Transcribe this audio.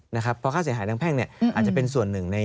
เพราะค่าเสียหายทางแพ่งอาจจะเป็นส่วนหนึ่งใน